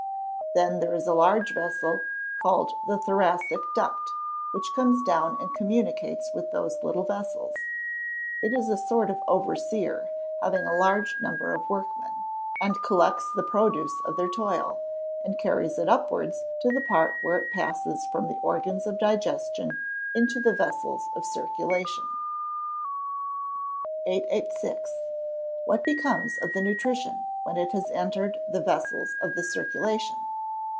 Then there is a large vessel, called the thoracic duct, which comes down and communicates with those little vessels (it is a sort of overseer, having a large number of workmen,) and collects the produce of their toil, and carries it upwards to the part where it passes from the organs of digestion into the vessels of circulation. 886. _What becomes of the nutrition, when it has entered the vessels of the circulation?